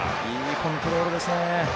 いいコントロールですね。